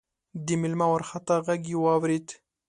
د مېلمه وارخطا غږ يې واورېد: